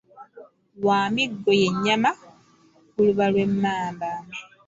Lwamiggo ye nnyama ku luba lw’emmamba.